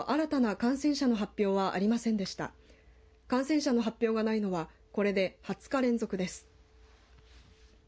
感染者の発表がないのはこれで２０日連続です。